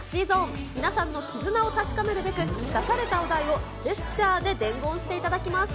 皆さんの絆を確かめるべく、出されたお題をジェスチャーで伝言していただきます。